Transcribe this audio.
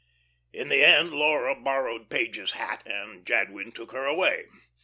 In the end Laura borrowed Page's hat, and Jadwin took her away.